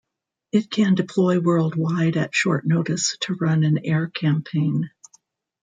It can deploy worldwide at short notice to run an air campaign.